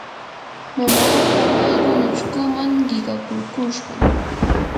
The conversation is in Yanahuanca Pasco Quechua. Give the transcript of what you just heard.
mamaapa allqun uchkuman qiqakurkushqam.